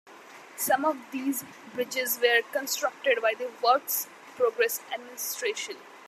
Some of these bridges were constructed by the Works Progress Administration.